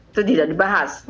itu tidak dibahas